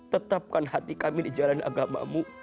tetapkan hati kami di jalan agamamu